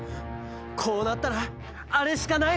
こうなったらあれしかない！